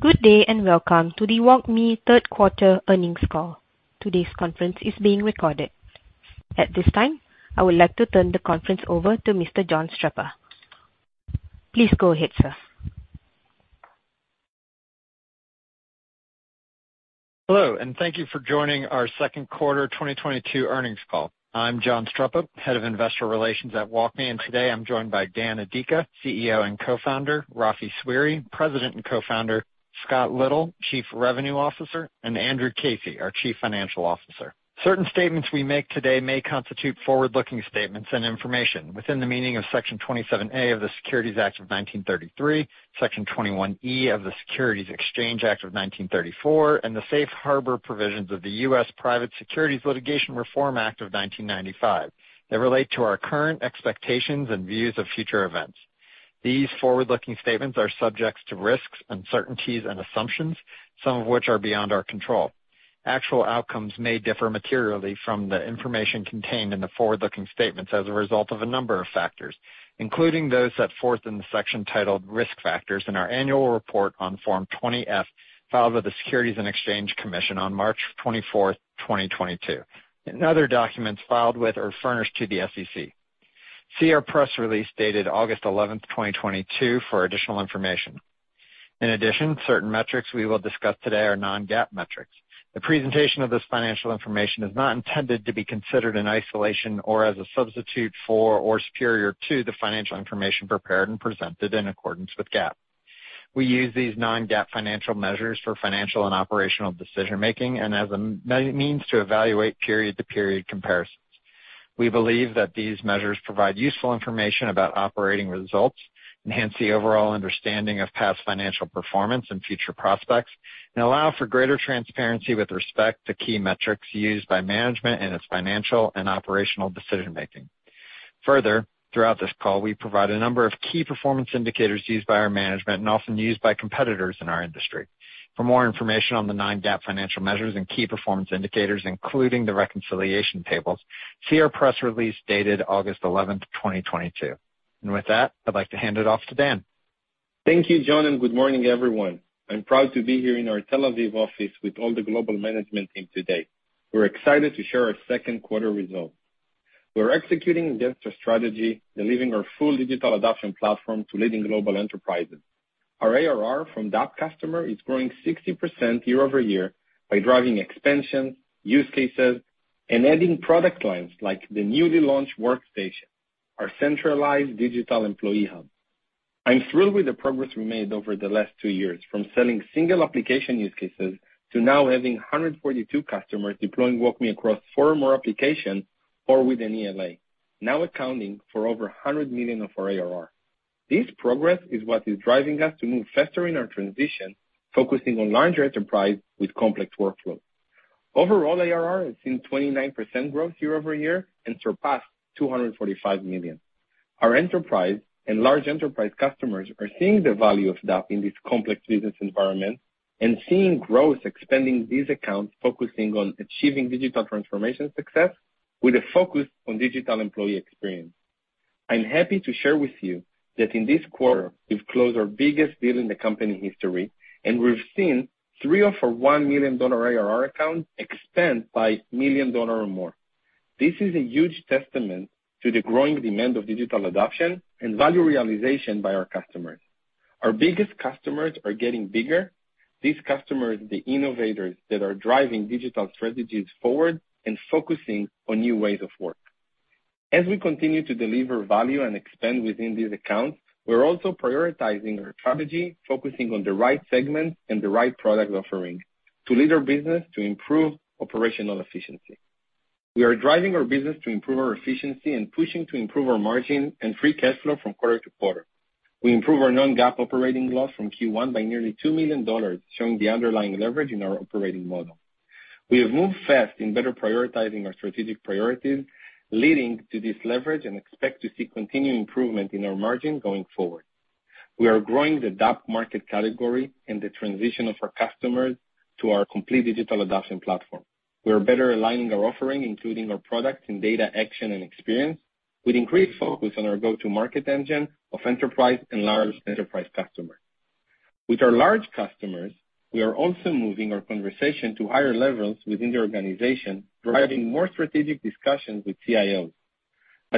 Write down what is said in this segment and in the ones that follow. Good day, and welcome to the WalkMe third quarter earnings call. Today's conference is being recorded. At this time, I would like to turn the conference over to Mr. John Streppa. Please go ahead, sir. Hello, and thank you for joining our second quarter 2022 earnings call. I'm John Streppa, Head of Investor Relations at WalkMe, and today I'm joined by Dan Adika, CEO and Co-founder, Rafael Sweary, President and Co-founder, Scott Little, Chief Revenue Officer, and Andrew Casey, our Chief Financial Officer. Certain statements we make today may constitute forward-looking statements and information within the meaning of Section 27A of the Securities Act of 1933, Section 21E of the Securities Exchange Act of 1934, and the safe harbor provisions of the US Private Securities Litigation Reform Act of 1995, that relate to our current expectations and views of future events. These forward-looking statements are subject to risks, uncertainties, and assumptions, some of which are beyond our control. Actual outcomes may differ materially from the information contained in the forward-looking statements as a result of a number of factors, including those set forth in the section titled Risk Factors in our annual report on Form 20-F filed with the Securities and Exchange Commission on March 24, 2022, and other documents filed with or furnished to the SEC. See our press release dated August 11th, 2022, for additional information. In addition, certain metrics we will discuss today are non-GAAP metrics. The presentation of this financial information is not intended to be considered in isolation or as a substitute for or superior to the financial information prepared and presented in accordance with GAAP. We use these non-GAAP financial measures for financial and operational decision-making and as a means to evaluate period-to-period comparisons. We believe that these measures provide useful information about operating results, enhance the overall understanding of past financial performance and future prospects, and allow for greater transparency with respect to key metrics used by management in its financial and operational decision-making. Further, throughout this call, we provide a number of key performance indicators used by our management and often used by competitors in our industry. For more information on the non-GAAP financial measures and key performance indicators, including the reconciliation tables, see our press release dated August 11th, 2022. With that, I'd like to hand it off to Dan. Thank you, John, and good morning, everyone. I'm proud to be here in our Tel Aviv office with all the global management team today. We're excited to share our second quarter results. We're executing against our strategy, delivering our full digital adoption platform to leading global enterprises. Our ARR from DAP customer is growing 60% year-over-year by driving expansion, use cases, and adding product lines like the newly launched Workstation, our centralized digital employee hub. I'm thrilled with the progress we made over the last two years, from selling single application use cases to now having 142 customers deploying WalkMe across four or more applications or with an ELA, now accounting for over $100 million of our ARR. This progress is what is driving us to move faster in our transition, focusing on larger enterprise with complex workflow. Overall, ARR has seen 29% growth year-over-year and surpassed $245 million. Our enterprise and large enterprise customers are seeing the value of DAP in this complex business environment and seeing growth expanding these accounts, focusing on achieving digital transformation success with a focus on digital employee experience. I'm happy to share with you that in this quarter, we've closed our biggest deal in the company history, and we've seen three of our $1 million ARR accounts expand by $1 million or more. This is a huge testament to the growing demand of digital adoption and value realization by our customers. Our biggest customers are getting bigger. These customers are the innovators that are driving digital strategies forward and focusing on new ways of work. As we continue to deliver value and expand within these accounts, we're also prioritizing our strategy, focusing on the right segments and the right product offerings to lead our business to improve operational efficiency. We are driving our business to improve our efficiency and pushing to improve our margin and free cash flow from quarter-to-quarter. We improved our non-GAAP operating loss from Q1 by nearly $2 million, showing the underlying leverage in our operating model. We have moved fast in better prioritizing our strategic priorities, leading to this leverage and expect to see continued improvement in our margin going forward. We are growing the DAP market category and the transition of our customers to our complete digital adoption platform. We are better aligning our offering, including our products in data, action, and experience, with increased focus on our go-to-market engine of enterprise and large enterprise customers. With our large customers, we are also moving our conversation to higher levels within the organization, providing more strategic discussions with CIOs.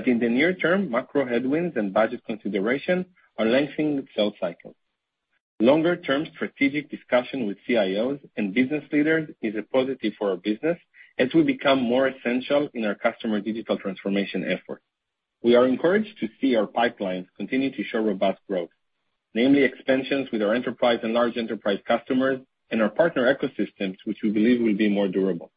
In the near term, macro headwinds and budget considerations are lengthening the sales cycle. Longer-term strategic discussion with CIOs and business leaders is a positive for our business as we become more essential in our customer digital transformation efforts. We are encouraged to see our pipelines continue to show robust growth, namely expansions with our enterprise and large enterprise customers and our partner ecosystems, which we believe will be more durable.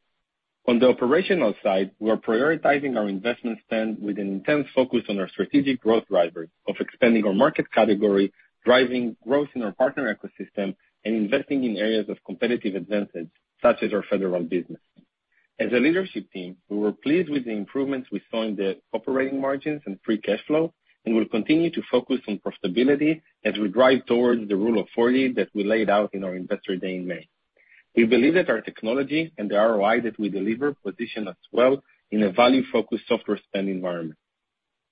On the operational side, we are prioritizing our investment spend with an intense focus on our strategic growth drivers of expanding our market category, driving growth in our partner ecosystem, and investing in areas of competitive advantage, such as our federal business. As a leadership team, we were pleased with the improvements we saw in the operating margins and free cash flow, and we'll continue to focus on profitability as we drive toward the Rule of 40 that we laid out in our Investor Day in May. We believe that our technology and the ROI that we deliver position us well in a value-focused software spend environment.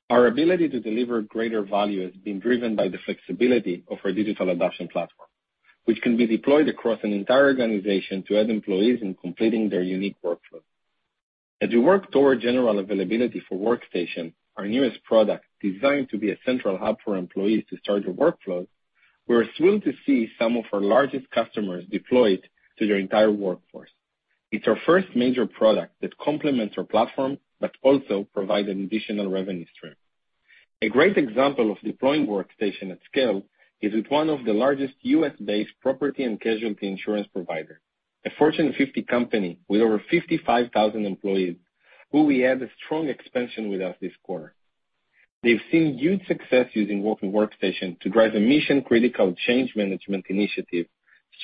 Our ability to deliver greater value has been driven by the flexibility of our Digital Adoption platform, which can be deployed across an entire organization to aid employees in completing their unique workflow. As we work toward general availability for Workstation, our newest product designed to be a central hub for employees to start their workflows, we're thrilled to see some of our largest customers deploy it to their entire workforce. It's our first major product that complements our platform but also provides an additional revenue stream. A great example of deploying Workstation at scale is with one of the largest U.S.-based property and casualty insurance provider, a Fortune 50 company with over 55,000 employees who we had a strong expansion with us this quarter. They've seen huge success using WalkMe Workstation to drive a mission-critical change management initiative,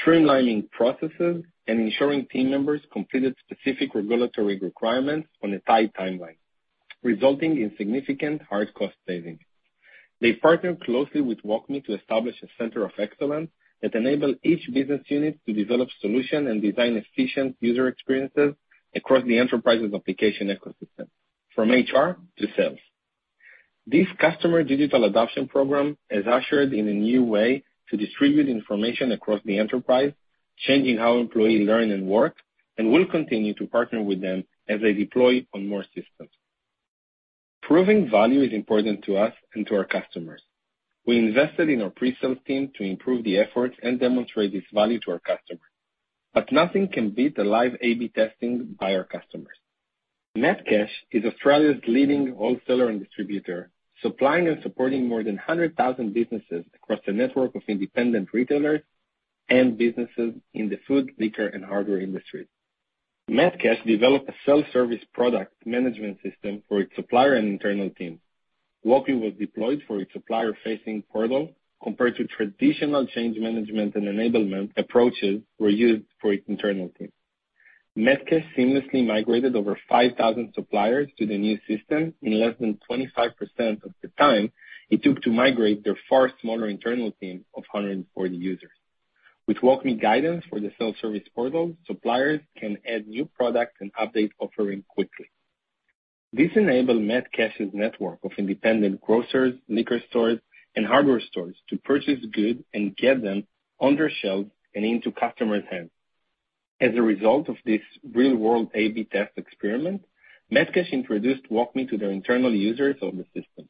streamlining processes, and ensuring team members completed specific regulatory requirements on a tight timeline, resulting in significant hard cost savings. They partnered closely with WalkMe to establish a center of excellence that enable each business unit to develop solution and design efficient user experiences across the enterprise's application ecosystem from HR to sales. This customer digital adoption program has ushered in a new way to distribute information across the enterprise, changing how employees learn and work, and we'll continue to partner with them as they deploy on more systems. Proving value is important to us and to our customers. We invested in our pre-sales team to improve the efforts and demonstrate this value to our customers. Nothing can beat the live A/B testing by our customers. Metcash is Australia's leading wholesaler and distributor, supplying and supporting more than 100,000 businesses across a network of independent retailers and businesses in the food, liquor, and hardware industry. Metcash developed a self-service product management system for its supplier and internal teams. WalkMe was deployed for its supplier-facing portal, compared to traditional change management and enablement approaches were used for its internal team. Metcash seamlessly migrated over 5,000 suppliers to the new system in less than 25% of the time it took to migrate their far smaller internal team of 140 users. With WalkMe guidance for the self-service portal, suppliers can add new products and update offerings quickly. This enabled Metcash's network of independent grocers, liquor stores, and hardware stores to purchase goods and get them on their shelves and into customers' hands. As a result of this real-world A/B test experiment, Metcash introduced WalkMe to their internal users of the system.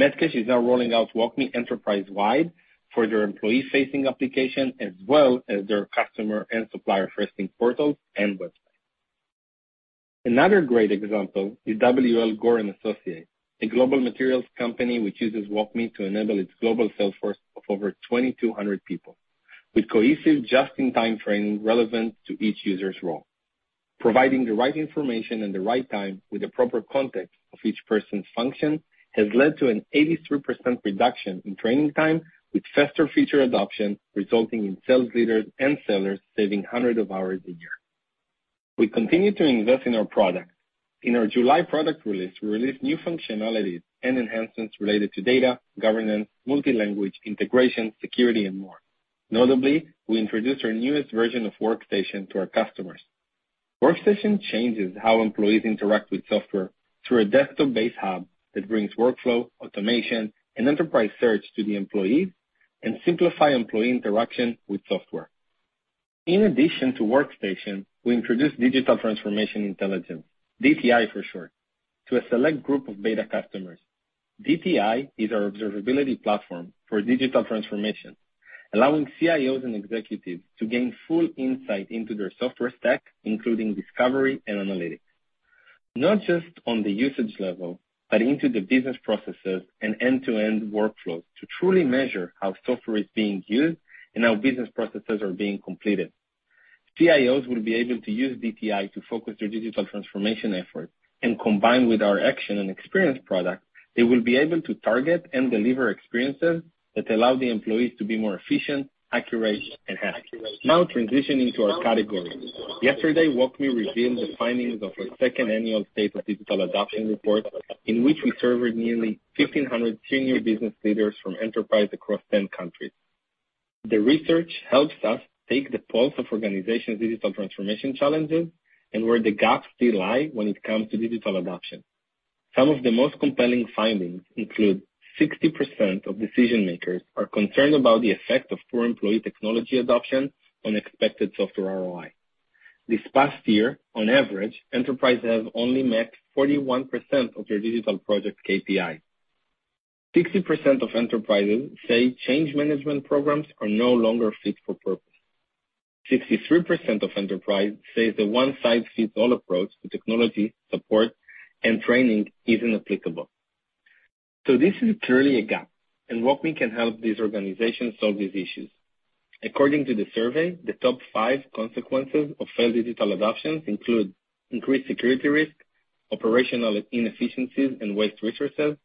Metcash is now rolling out WalkMe enterprise-wide for their employee-facing application as well as their customer and supplier-facing portals and websites. Another great example is W. L. Gore & Associates, a global materials company which uses WalkMe to enable its global sales force of over 2,200 people with cohesive just-in-time training relevant to each user's role. Providing the right information at the right time with the proper context of each person's function has led to an 83% reduction in training time with faster feature adoption, resulting in sales leaders and sellers saving hundreds of hours a year. We continue to invest in our product. In our July product release, we released new functionalities and enhancements related to data governance, multi-language integration, security, and more. Notably, we introduced our newest version of Workstation to our customers. Workstation changes how employees interact with software through a desktop-based hub that brings workflow, automation, and enterprise search to the employees and simplify employee interaction with software. In addition to Workstation, we introduced Digital Transformation Intelligence, DTI for short, to a select group of beta customers. DTI is our observability platform for digital transformation, allowing CIOs and executives to gain full insight into their software stack, including discovery and analytics, not just on the usage level, but into the business processes and end-to-end workflows to truly measure how software is being used and how business processes are being completed. CIOs will be able to use DTI to focus their digital transformation efforts and combine with our action and experience product. They will be able to target and deliver experiences that allow the employees to be more efficient, accurate, and happy. Now transitioning to our category. Yesterday, WalkMe revealed the findings of our second annual State of Digital Adoption report, in which we surveyed nearly 1,500 senior business leaders from enterprises across 10 countries. The research helps us take the pulse of organizations' digital transformation challenges and where the gaps still lie when it comes to digital adoption. Some of the most compelling findings include 60% of decision-makers are concerned about the effect of poor employee technology adoption on expected software ROI. This past year, on average, enterprises have only met 41% of their digital project KPI. 60% of enterprises say change management programs are no longer fit for purpose. 63% of enterprises say the one-size-fits-all approach to technology support and training isn't applicable. This is clearly a gap, and WalkMe can help these organizations solve these issues. According to the survey, the top five consequences of failed digital adoptions include increased security risk, operational inefficiencies and wasted resources,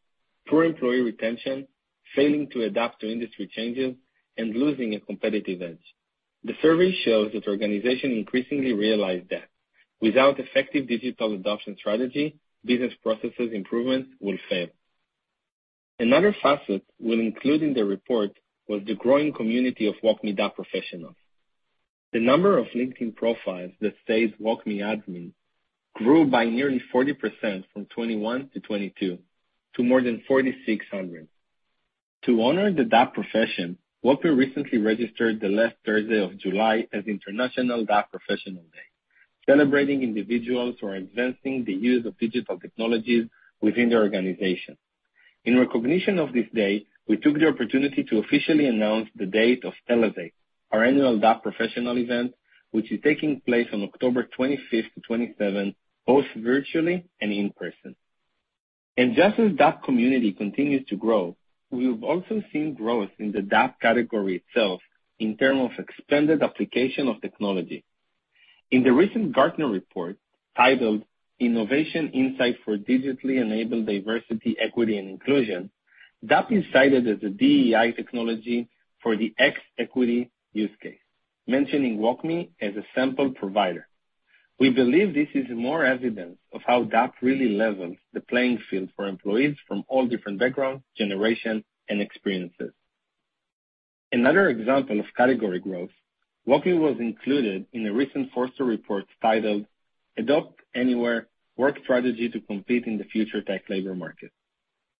poor employee retention, failing to adapt to industry changes, and losing a competitive edge. The survey shows that organizations increasingly realize that without effective digital adoption strategy, business processes improvement will fail. Another facet we'll include in the report was the growing community of WalkMe DAP professionals. The number of LinkedIn profiles that says WalkMe admin grew by nearly 40% from 2021 to 2022 to more than 4,600. To honor the DAP profession, WalkMe recently registered the last Thursday of July as International DAP Professionals Day, celebrating individuals who are advancing the use of digital technologies within their organization. In recognition of this day, we took the opportunity to officially announce the date of Elevate, our annual DAP professional event, which is taking place on October 25th-27th, both virtually and in person. Just as DAP community continues to grow, we've also seen growth in the DAP category itself in terms of expanded application of technology. In the recent Gartner report titled Innovation Insight for Digitally Enabled Diversity, Equity and Inclusion, DAP is cited as a DEI technology for the access equity use case, mentioning WalkMe as a sample provider. We believe this is more evidence of how DAP really levels the playing field for employees from all different backgrounds, generations, and experiences. Another example of category growth, WalkMe was included in a recent Forrester report titled Adopt Anywhere Work Strategy to Compete in the Future Tech Labor Market.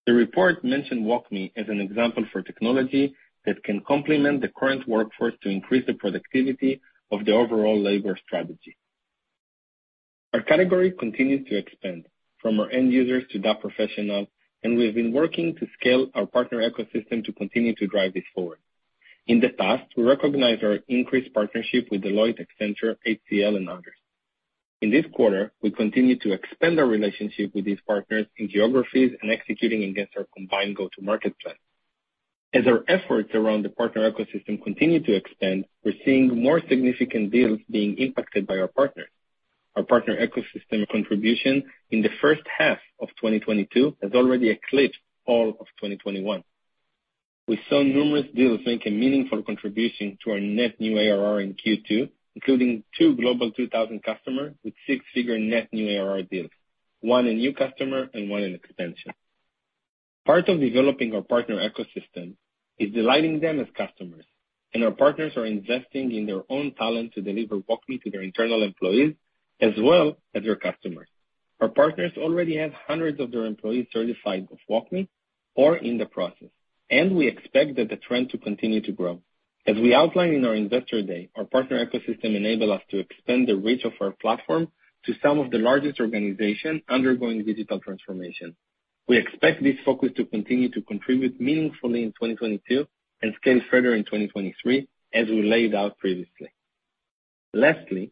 The report mentioned WalkMe as an example for technology that can complement the current workforce to increase the productivity of the overall labor strategy. Our category continues to expand from our end users to DAP professionals, and we've been working to scale our partner ecosystem to continue to drive this forward. In the past, we recognized our increased partnership with Deloitte, Accenture, HCL, and others. In this quarter, we continued to expand our relationship with these partners in geographies and executing against our combined go-to-market plan. As our efforts around the partner ecosystem continue to expand, we're seeing more significant deals being impacted by our partners. Our partner ecosystem contribution in the first half of 2022 has already eclipsed all of 2021. We saw numerous deals make a meaningful contribution to our net new ARR in Q2, including two Global 2000 customers with six-figure net new ARR deals. One, a new customer, and one, an extension. Part of developing our partner ecosystem is delighting them as customers, and our partners are investing in their own talent to deliver WalkMe to their internal employees as well as their customers. Our partners already have hundreds of their employees certified with WalkMe or in the process, and we expect that the trend to continue to grow. As we outlined in our investor day, our partner ecosystem enable us to expand the reach of our platform to some of the largest organizations undergoing digital transformation. We expect this focus to continue to contribute meaningfully in 2022 and scale further in 2023, as we laid out previously. Lastly,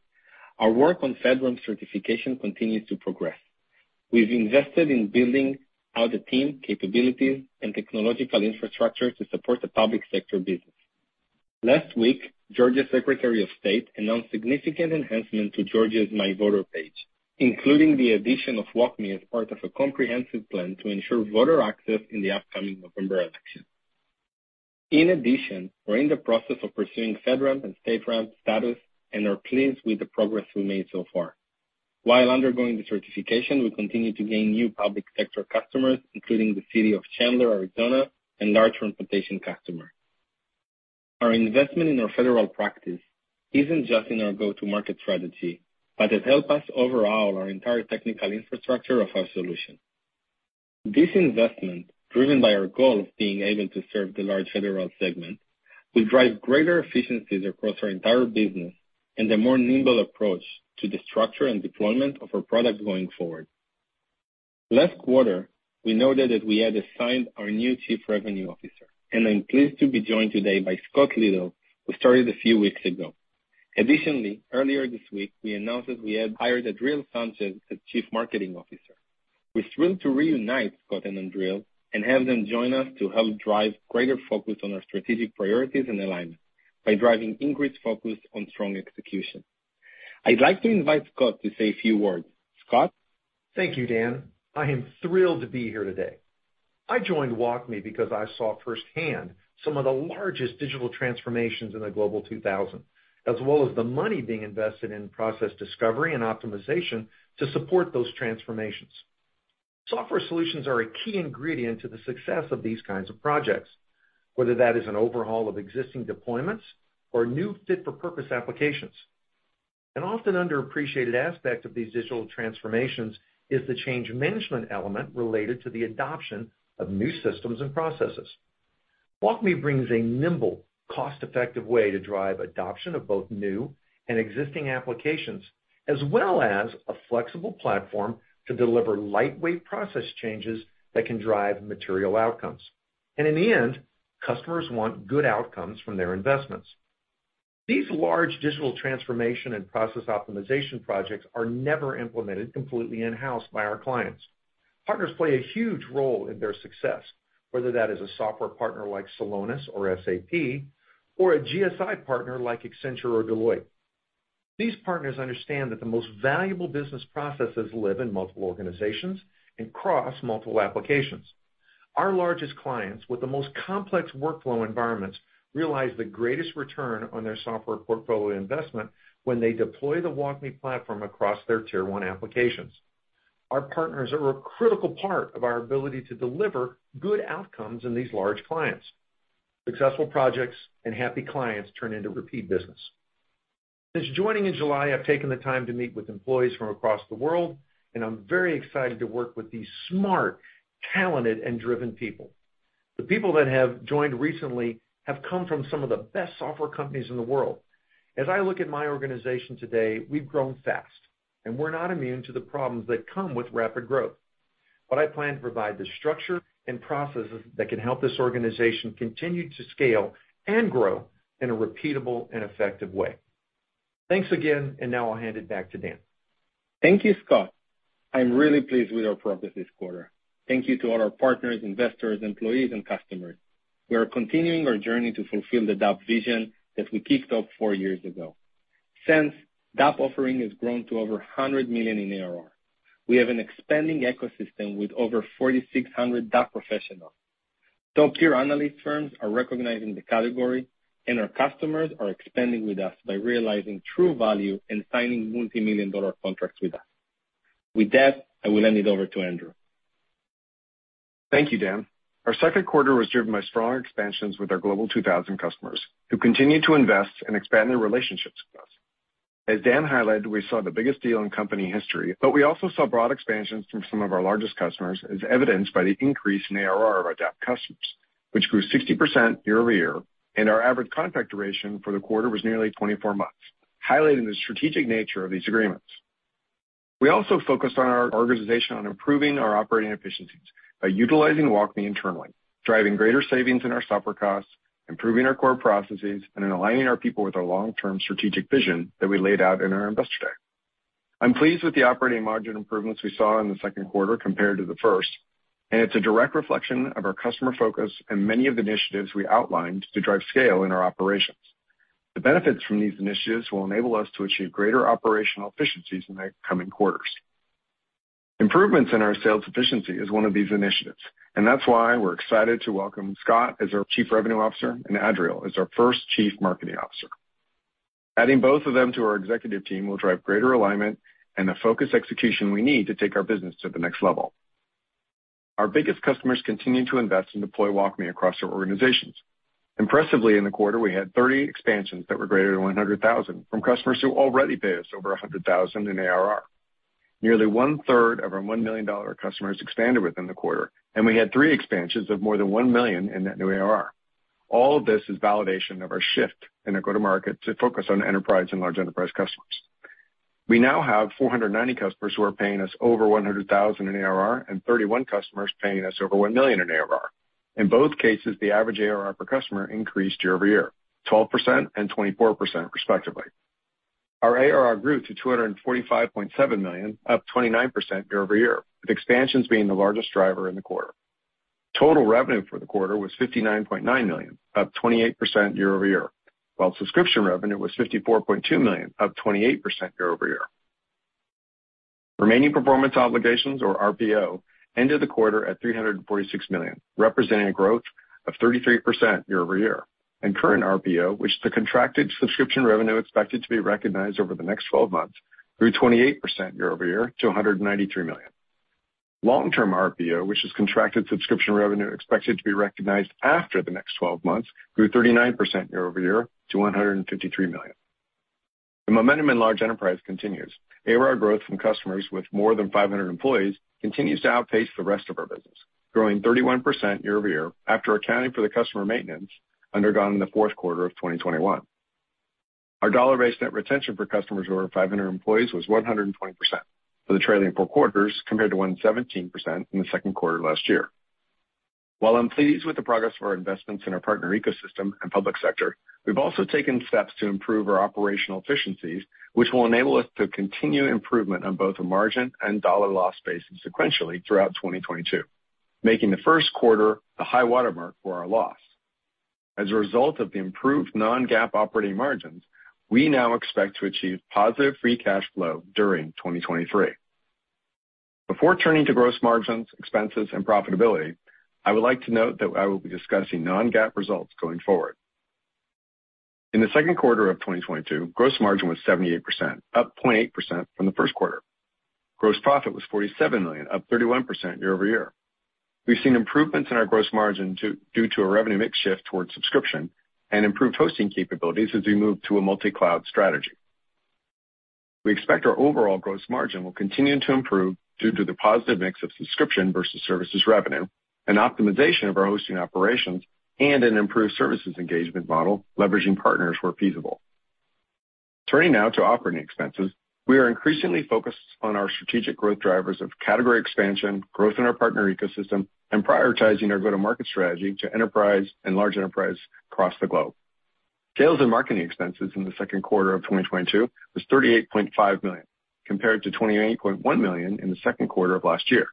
our work on FedRAMP certification continues to progress. We've invested in building out the team capabilities and technological infrastructure to support the public sector business. Last week, Georgia Secretary of State announced significant enhancement to Georgia's My Voter Page, including the addition of WalkMe as part of a comprehensive plan to ensure voter access in the upcoming November election. In addition, we're in the process of pursuing FedRAMP and StateRAMP status and are pleased with the progress we've made so far. While undergoing the certification, we continue to gain new public sector customers, including the City of Chandler, Arizona, and large transportation customer. Our investment in our federal practice isn't just in our go-to-market strategy, but has helped us overhaul our entire technical infrastructure of our solution. This investment, driven by our goal of being able to serve the large federal segment, will drive greater efficiencies across our entire business and a more nimble approach to the structure and deployment of our product going forward. Last quarter, we noted that we had announced our new chief revenue officer, and I'm pleased to be joined today by Scott Little, who started a few weeks ago. Additionally, earlier this week, we announced that we had hired Adriel Sanchez as Chief Marketing Officer. We're thrilled to reunite Scott and Adriel and have them join us to help drive greater focus on our strategic priorities and alignment by driving increased focus on strong execution. I'd like to invite Scott to say a few words. Scott? Thank you, Dan. I am thrilled to be here today. I joined WalkMe because I saw firsthand some of the largest digital transformations in the Global 2000, as well as the money being invested in process discovery and optimization to support those transformations. Software solutions are a key ingredient to the success of these kinds of projects, whether that is an overhaul of existing deployments or new fit-for-purpose applications. An often underappreciated aspect of these digital transformations is the change management element related to the adoption of new systems and processes. WalkMe brings a nimble, cost-effective way to drive adoption of both new and existing applications, as well as a flexible platform to deliver lightweight process changes that can drive material outcomes. In the end, customers want good outcomes from their investments. These large digital transformation and process optimization projects are never implemented completely in-house by our clients. Partners play a huge role in their success, whether that is a software partner like Celonis or SAP, or a GSI partner like Accenture or Deloitte. These partners understand that the most valuable business processes live in multiple organizations and cross multiple applications. Our largest clients with the most complex workflow environments realize the greatest return on their software portfolio investment when they deploy the WalkMe platform across their tier one applications. Our partners are a critical part of our ability to deliver good outcomes in these large clients. Successful projects and happy clients turn into repeat business. Since joining in July, I've taken the time to meet with employees from across the world, and I'm very excited to work with these smart, talented, and driven people. The people that have joined recently have come from some of the best software companies in the world. As I look at my organization today, we've grown fast, and we're not immune to the problems that come with rapid growth. I plan to provide the structure and processes that can help this organization continue to scale and grow in a repeatable and effective way. Thanks again, and now I'll hand it back to Dan. Thank you, Scott. I'm really pleased with our progress this quarter. Thank you to all our partners, investors, employees and customers. We are continuing our journey to fulfill the DAP vision that we kicked off four years ago. Since, the DAP offering has grown to over $100 million in ARR. We have an expanding ecosystem with over 4,600 DAP professionals. Top-tier analyst firms are recognizing the category, and our customers are expanding with us by realizing true value and signing multimillion-dollar contracts with us. With that, I will hand it over to Andrew. Thank you, Dan. Our second quarter was driven by strong expansions with our Global 2000 customers, who continue to invest and expand their relationships with us. As Dan highlighted, we saw the biggest deal in company history, but we also saw broad expansions from some of our largest customers, as evidenced by the increase in ARR of our DAP customers, which grew 60% year-over-year, and our average contract duration for the quarter was nearly 24 months, highlighting the strategic nature of these agreements. We also focused our organization on improving our operating efficiencies by utilizing WalkMe internally, driving greater savings in our software costs, improving our core processes, and in aligning our people with our long-term strategic vision that we laid out in our Investor Day. I'm pleased with the operating margin improvements we saw in the second quarter compared to the first, and it's a direct reflection of our customer focus and many of the initiatives we outlined to drive scale in our operations. The benefits from these initiatives will enable us to achieve greater operational efficiencies in the coming quarters. Improvements in our sales efficiency is one of these initiatives, and that's why we're excited to welcome Scott as our Chief Revenue Officer and Adriel as our first Chief Marketing Officer. Adding both of them to our executive team will drive greater alignment and the focus execution we need to take our business to the next level. Our biggest customers continue to invest and deploy WalkMe across their organizations. Impressively, in the quarter, we had 30 expansions that were greater than $100,000 from customers who already pay us over $100,000 in ARR. Nearly 1/3 of our $1 million customers expanded within the quarter, and we had three expansions of more than $1 million in net new ARR. All of this is validation of our shift in our go-to-market to focus on enterprise and large enterprise customers. We now have 490 customers who are paying us over $100,000 in ARR and 31 customers paying us over $1 million in ARR. In both cases, the average ARR per customer increased year-over-year, 12% and 24% respectively. Our ARR grew to $245.7 million, up 29% year-over-year, with expansions being the largest driver in the quarter. Total revenue for the quarter was $59.9 million, up 28% year-over-year, while subscription revenue was $54.2 million, up 28% year-over-year. Remaining performance obligations, or RPO, ended the quarter at $346 million, representing a growth of 33% year-over-year. Current RPO, which is the contracted subscription revenue expected to be recognized over the next twelve months, grew 28% year-over-year to $193 million. Long-term RPO, which is contracted subscription revenue expected to be recognized after the next twelve months, grew 39% year-over-year to $153 million. The momentum in large enterprise continues. ARR growth from customers with more than 500 employees continues to outpace the rest of our business, growing 31% year-over-year after accounting for the customer maintenance undergone in the fourth quarter of 2021. Our dollar-based net retention for customers who are over 500 employees was 120% for the trailing four quarters compared to 117% in the second quarter last year. While I'm pleased with the progress of our investments in our partner ecosystem and public sector, we've also taken steps to improve our operational efficiencies, which will enable us to continue improvement on both a margin and dollar loss basis sequentially throughout 2022, making the first quarter the high watermark for our loss. As a result of the improved non-GAAP operating margins, we now expect to achieve positive free cash flow during 2023. Before turning to gross margins, expenses, and profitability, I would like to note that I will be discussing non-GAAP results going forward. In the second quarter of 2022, gross margin was 78%, up 0.8% from the first quarter. Gross profit was $47 million, up 31% year-over-year. We've seen improvements in our gross margin too, due to a revenue mix shift towards subscription and improved hosting capabilities as we move to a multi-cloud strategy. We expect our overall gross margin will continue to improve due to the positive mix of subscription versus services revenue and optimization of our hosting operations and an improved services engagement model, leveraging partners where feasible. Turning now to operating expenses. We are increasingly focused on our strategic growth drivers of category expansion, growth in our partner ecosystem, and prioritizing our go-to-market strategy to enterprise and large enterprise across the globe. Sales and marketing expenses in the second quarter of 2022 was $38.5 million, compared to $28.1 million in the second quarter of last year.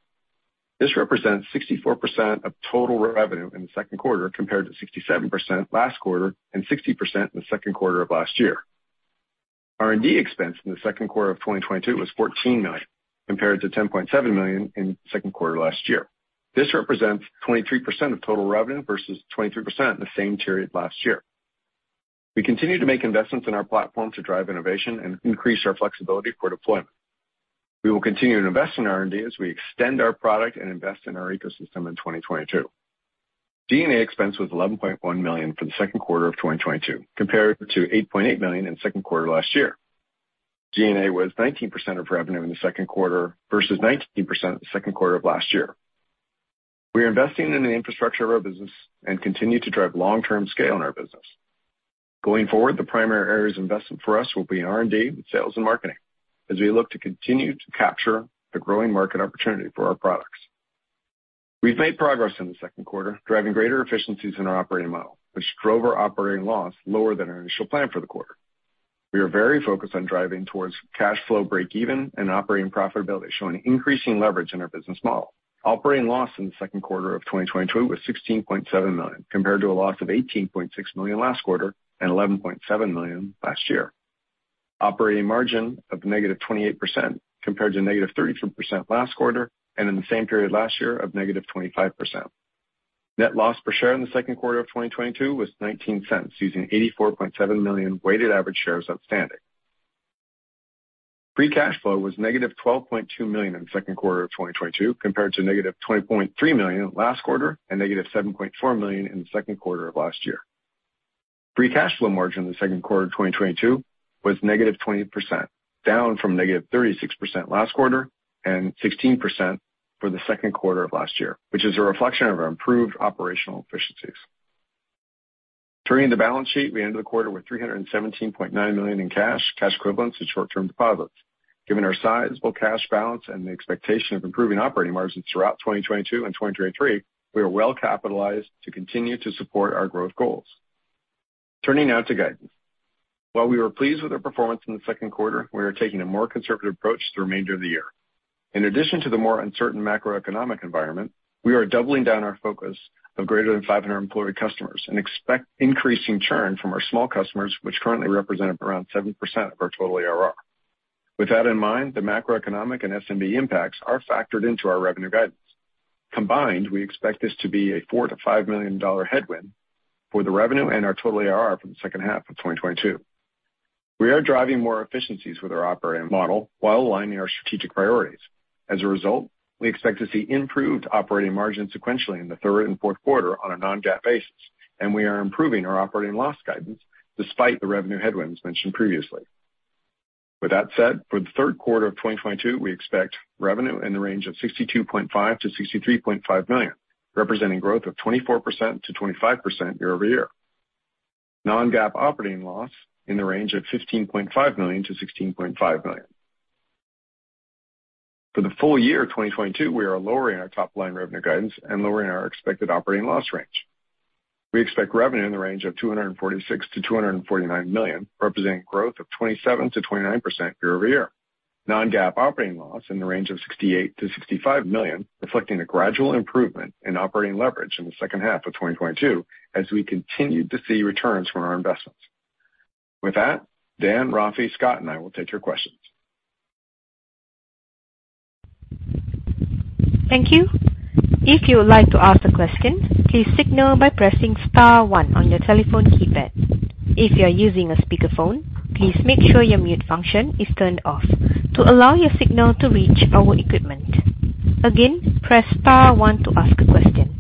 This represents 64% of total revenue in the second quarter, compared to 67% last quarter and 60% in the second quarter of last year. R&D expense in the second quarter of 2022 was $14 million, compared to $10.7 million in second quarter last year. This represents 23% of total revenue versus 23% in the same period last year. We continue to make investments in our platform to drive innovation and increase our flexibility for deployment. We will continue to invest in R&D as we extend our product and invest in our ecosystem in 2022. G&A expense was $11.1 million for the second quarter of 2022, compared to $8.8 million in the second quarter last year. G&A was 19% of revenue in the second quarter versus 19% in the second quarter of last year. We are investing in the infrastructure of our business and continue to drive long-term scale in our business. Going forward, the primary areas of investment for us will be in R&D with sales and marketing as we look to continue to capture the growing market opportunity for our products. We've made progress in the second quarter, driving greater efficiencies in our operating model, which drove our operating loss lower than our initial plan for the quarter. We are very focused on driving towards cash flow break even and operating profitability, showing increasing leverage in our business model. Operating loss in the second quarter of 2022 was -$16.7 million, compared to a loss of -$18.6 million last quarter and -$11.7 million last year. Operating margin of -28% compared to -33% last quarter and in the same period last year of -25%. Net loss per share in the second quarter of 2022 was $0.19, using 84.7 million weighted average shares outstanding. Free cash flow was -$12.2 million in the second quarter of 2022, compared to -$20.3 million last quarter and -$7.4 million in the second quarter of last year. Free cash flow margin in the second quarter of 2022 was -20%, down from -36% last quarter and 16% for the second quarter of last year, which is a reflection of our improved operational efficiencies. Turning to the balance sheet, we ended the quarter with $317.9 million in cash equivalents, and short-term deposits. Given our sizable cash balance and the expectation of improving operating margins throughout 2022 and 2023, we are well-capitalized to continue to support our growth goals. Turning now to guidance. While we were pleased with our performance in the second quarter, we are taking a more conservative approach to the remainder of the year. In addition to the more uncertain macroeconomic environment, we are doubling down our focus of greater than 500 employed customers and expect increasing churn from our small customers, which currently represent around 7% of our total ARR. With that in mind, the macroeconomic and SMB impacts are factored into our revenue guidance. Combined, we expect this to be a $4 million-$5 million headwind for the revenue and our total ARR for the second half of 2022. We are driving more efficiencies with our operating model while aligning our strategic priorities. As a result, we expect to see improved operating margins sequentially in the third and fourth quarter on a non-GAAP basis, and we are improving our operating loss guidance despite the revenue headwinds mentioned previously. With that said, for the third quarter of 2022, we expect revenue in the range of $62.5 million-$63.5 million, representing growth of 24%-25% year-over-year. Non-GAAP operating loss in the range of $15.5 million-$16.5 million. For the full year of 2022, we are lowering our top-line revenue guidance and lowering our expected operating loss range. We expect revenue in the range of $246 million-$249 million, representing growth of 27%-29% year-over-year. Non-GAAP operating loss in the range of $68 million-$65 million, reflecting a gradual improvement in operating leverage in the second half of 2022 as we continue to see returns from our investments. With that, Dan, Rafi, Scott, and I will take your questions. Thank you. If you would like to ask a question, please signal by pressing star one on your telephone keypad. If you are using a speakerphone, please make sure your mute function is turned off to allow your signal to reach our equipment. Again, press star one to ask a question.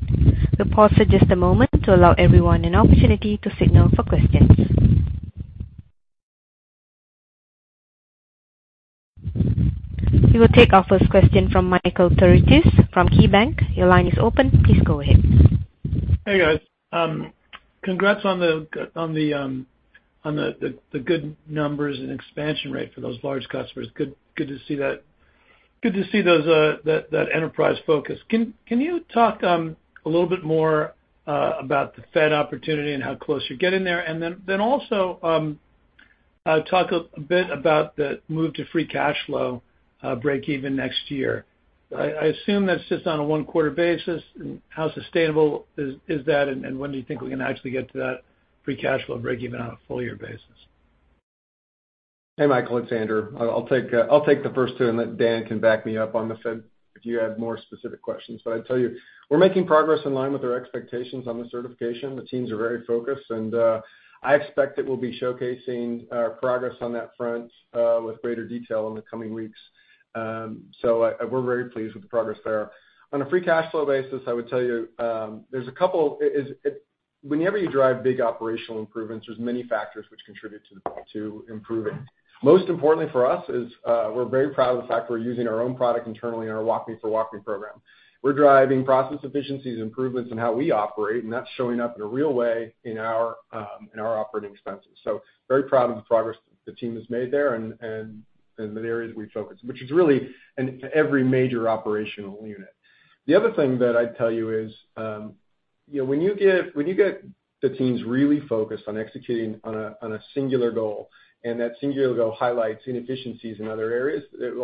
We'll pause for just a moment to allow everyone an opportunity to signal for questions. We will take our first question from Michael Turits from KeyBanc. Your line is open. Please go ahead. Hey, guys. Congrats on the good numbers and expansion rate for those large customers. Good to see that. Good to see that enterprise focus. Can you talk a little bit more about the FedRAMP opportunity and how close you're getting there? Also talk a bit about the move to free cash flow breakeven next year. I assume that's just on a one quarter basis and how sustainable is that and when do you think we can actually get to that free cash flow breakeven on a full year basis? Hey, Michael, it's Andrew. I'll take the first two and let Dan back me up on the FedRAMP if you have more specific questions. I'd tell you, we're making progress in line with our expectations on the certification. The teams are very focused and I expect that we'll be showcasing our progress on that front with greater detail in the coming weeks. We're very pleased with the progress there. On a free cash flow basis, I would tell you, whenever you drive big operational improvements, there's many factors which contribute to improving. Most importantly for us is, we're very proud of the fact we're using our own product internally in our WalkMe for WalkMe program. We're driving process efficiencies, improvements in how we operate, and that's showing up in a real way in our operating expenses. Very proud of the progress the team has made there and in the areas we've focused, which is really in every major operational unit. The other thing that I'd tell you is, you know, when you get the teams really focused on executing on a singular goal, and that singular goal highlights inefficiencies in other areas, it will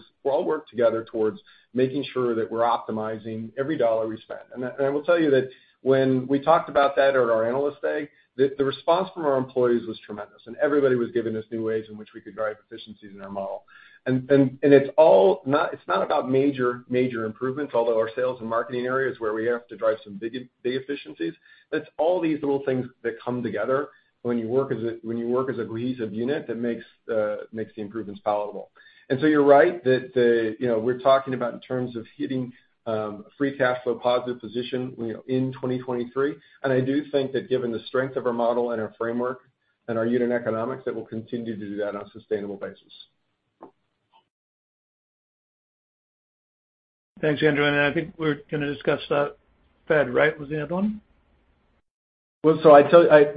all work together towards making sure that we're optimizing every dollar we spend. I will tell you that when we talked about that at our Analyst Day, the response from our employees was tremendous, and everybody was giving us new ways in which we could drive efficiencies in our model. It's not about major improvements, although our sales and marketing area is where we have to drive some big efficiencies. It's all these little things that come together when you work as a cohesive unit that makes the improvements palatable. You're right. You know, we're talking about in terms of hitting free cash flow positive position, you know, in 2023. I do think that given the strength of our model and our framework and our unit economics, that we'll continue to do that on a sustainable basis. Thanks, Andrew. I think we're gonna discuss FedRAMP, right, was the other one? Well, I'd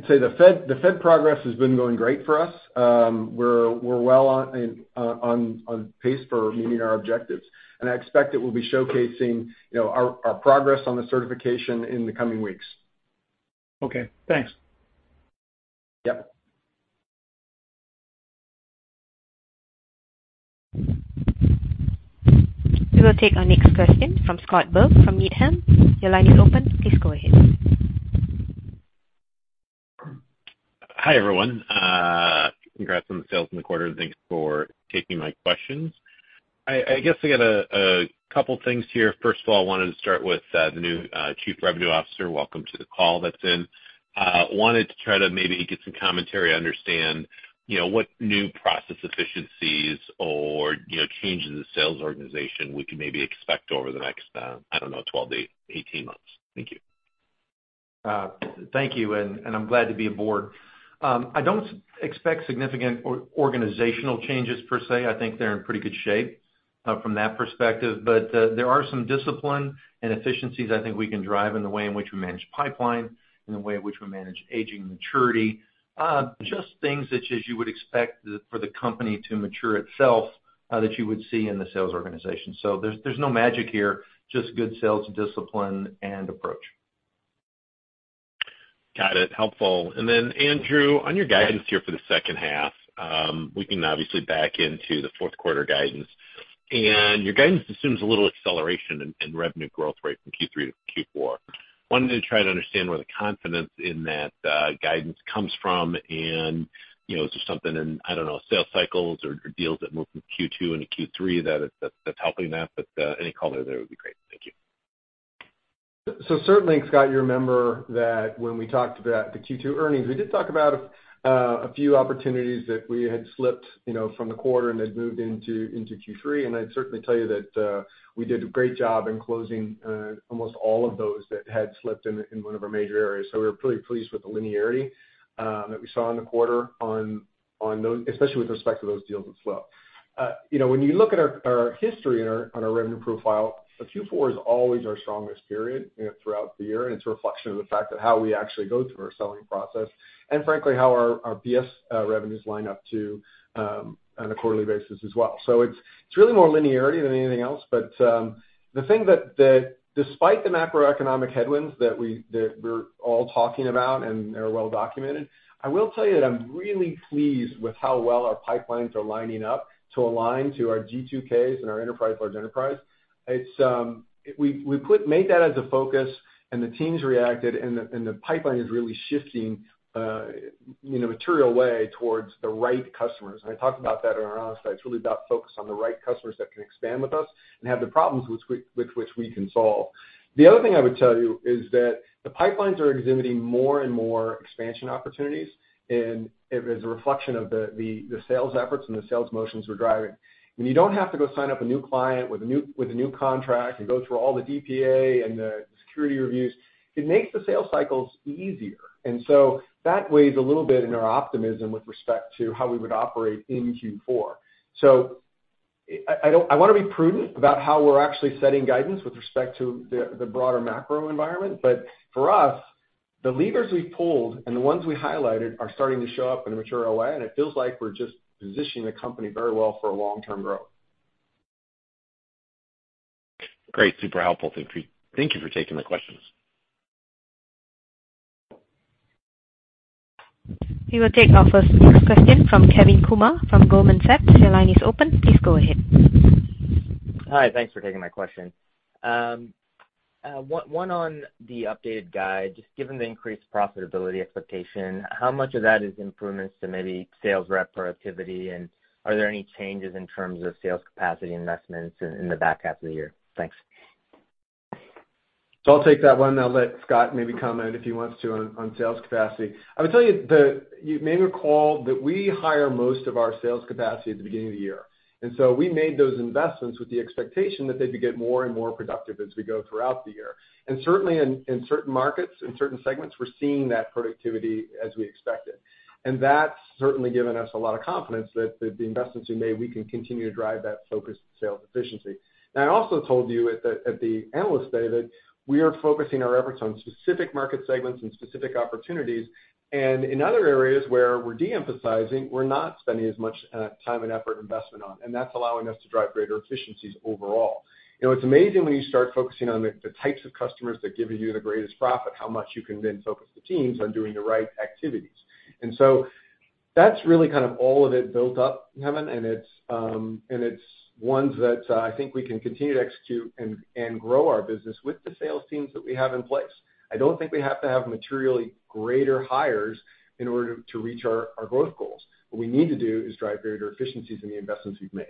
say the FedRAMP progress has been going great for us. We're well on pace for meeting our objectives, and I expect that we'll be showcasing, you know, our progress on the certification in the coming weeks. Okay, thanks. Yep. We will take our next question from Scott Berg from Needham. Your line is open. Please go ahead. Hi, everyone. Congrats on the sales in the quarter, and thanks for taking my questions. I guess I got a couple things here. First of all, I wanted to start with the new Chief Revenue Officer. Welcome to the call, that's in. Wanted to try to maybe get some commentary to understand, you know, what new process efficiencies or, you know, changes in the sales organization we can maybe expect over the next, I don't know, 12-18 months. Thank you. Thank you, and I'm glad to be aboard. I don't expect significant organizational changes per se. I think they're in pretty good shape, from that perspective. There are some discipline and efficiencies I think we can drive in the way in which we manage pipeline and the way in which we manage aging maturity. Just things that you would expect for the company to mature itself, that you would see in the sales organization. There's no magic here, just good sales discipline and approach. Got it. Helpful. Andrew, on your guidance here for the second half, we can obviously back into the fourth quarter guidance. Your guidance assumes a little acceleration in revenue growth rate from Q3 to Q4. Wanted to try to understand where the confidence in that guidance comes from. You know, is there something in, I don't know, sales cycles or deals that moved from Q2 into Q3 that's helping that, but any color there would be great. Thank you. Certainly, Scott, you remember that when we talked about the Q2 earnings, we did talk about a few opportunities that we had slipped, you know, from the quarter and had moved into Q3. I'd certainly tell you that we did a great job in closing almost all of those that had slipped in one of our major areas. We were pretty pleased with the linearity that we saw in the quarter on those, especially with respect to those deals that slipped. You know, when you look at our history and our revenue profile, Q4 is always our strongest period, you know, throughout the year. It's a reflection of the fact that how we actually go through our selling process and frankly, how our PS revenues line up too, on a quarterly basis as well. It's really more linearity than anything else. The thing that despite the macroeconomic headwinds that we're all talking about and are well documented, I will tell you that I'm really pleased with how well our pipelines are lining up to align to our G2Ks and our enterprise, large enterprise. We made that as a focus and the teams reacted and the pipeline is really shifting in a material way towards the right customers. I talked about that in our Analyst Day. It's really about focus on the right customers that can expand with us and have the problems with which we can solve. The other thing I would tell you is that the pipelines are exhibiting more and more expansion opportunities, and it is a reflection of the sales efforts and the sales motions we're driving. When you don't have to go sign up a new client with a new contract and go through all the DPA and the security reviews, it makes the sales cycles easier. That weighs a little bit in our optimism with respect to how we would operate in Q4. I wanna be prudent about how we're actually setting guidance with respect to the broader macro environment. For us, the levers we've pulled and the ones we highlighted are starting to show up in a mature way. It feels like we're just positioning the company very well for a long-term growth. Great. Super helpful. Thank you. Thank you for taking my questions. We will take our first question from Kevin Kumar from Goldman Sachs. Your line is open. Please go ahead. Hi. Thanks for taking my question. One on the updated guide, just given the increased profitability expectation, how much of that is improvements to maybe sales rep productivity? Are there any changes in terms of sales capacity investments in the back half of the year? Thanks. I'll take that one, and I'll let Scott maybe comment if he wants to on sales capacity. I would tell you. You may recall that we hire most of our sales capacity at the beginning of the year. We made those investments with the expectation that they'd get more and more productive as we go throughout the year. Certainly in certain markets, in certain segments, we're seeing that productivity as we expected. That's certainly given us a lot of confidence that the investments we made, we can continue to drive that focused sales efficiency. Now I also told you at the Analyst Day that we are focusing our efforts on specific market segments and specific opportunities. In other areas where we're de-emphasizing, we're not spending as much time and effort investment on, and that's allowing us to drive greater efficiencies overall. You know, it's amazing when you start focusing on the types of customers that give you the greatest profit, how much you can then focus the teams on doing the right activities. That's really kind of all of it built up, Hemant, and it's ones that I think we can continue to execute and grow our business with the sales teams that we have in place. I don't think we have to have materially greater hires in order to reach our growth goals. What we need to do is drive greater efficiencies in the investments we've made.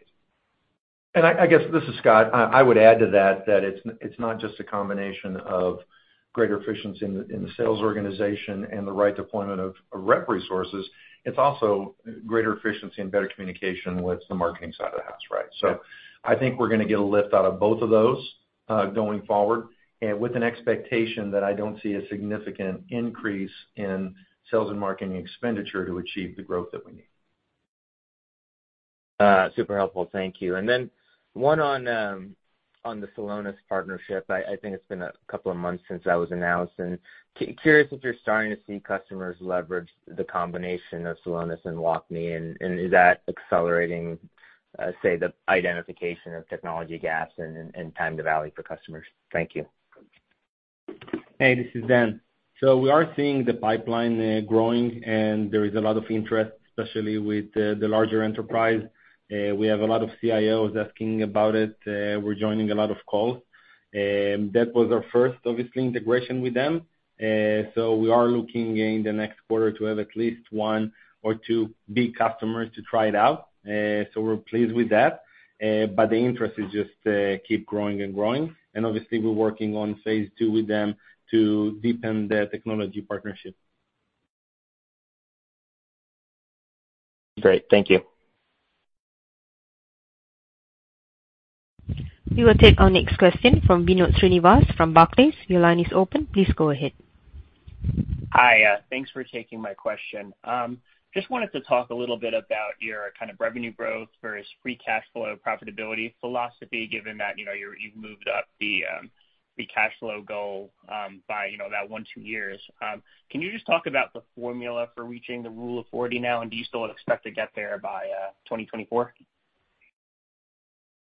I guess this is Scott. I would add to that that it's not just a combination of greater efficiency in the sales organization and the right deployment of rep resources. It's also greater efficiency and better communication with the marketing side of the house, right? I think we're gonna get a lift out of both of those going forward and with an expectation that I don't see a significant increase in sales and marketing expenditure to achieve the growth that we need. Super helpful. Thank you. One on the Celonis partnership. I think it's been a couple of months since that was announced. Curious if you're starting to see customers leverage the combination of Celonis and WalkMe and is that accelerating, say the identification of technology gaps and time to value for customers? Thank you. Hey, this is Dan. We are seeing the pipeline growing and there is a lot of interest, especially with the larger enterprise. We have a lot of CIOs asking about it. We're joining a lot of calls. That was our first, obviously, integration with them. We are looking in the next quarter to have at least one or two big customers to try it out. We're pleased with that. The interest is just keep growing and growing. Obviously, we're working on phase two with them to deepen the technology partnership. Great. Thank you. We will take our next question from Vinod Srinivasaraghavan from Barclays. Your line is open. Please go ahead. Hi. Thanks for taking my question. Just wanted to talk a little bit about your kind of revenue growth versus free cash flow profitability philosophy, given that, you know, you've moved up the cash flow goal by, you know, that one, two years. Can you just talk about the formula for reaching the Rule of 40 now, and do you still expect to get there by 2024?